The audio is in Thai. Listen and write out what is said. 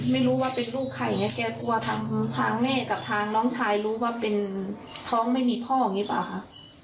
ไม่รู้ว่าเป็นลูกใครไงแกกลัวทางทางแม่กับทางน้องชายรู้ว่าเป็นท้องไม่มีพ่ออย่างนี้หรือเปล่าคะ